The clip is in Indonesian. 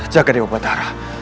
jaga di obat arah